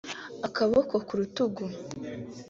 akaboko ku rutugu